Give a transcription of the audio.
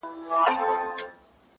هغه خپلواک او د بګړیو وطن!.